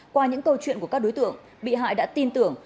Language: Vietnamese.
qua những câu chuyện của các đối tượng bị hại đã tin tưởng